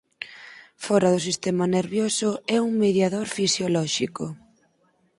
Fóra do sistema nervioso é un mediador fisiolóxico.